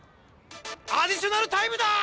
アディショナルタイムだ！